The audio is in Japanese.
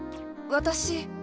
私。